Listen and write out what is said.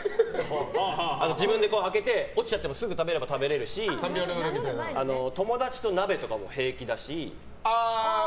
自分で開けて落ちちゃってもすぐ食べれば食べれるし友達と鍋とかも平気だし。